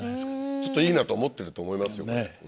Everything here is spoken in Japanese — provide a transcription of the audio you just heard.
ちょっといいなと思ってると思いますよ。